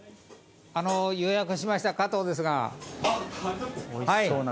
予約しました加藤ですが。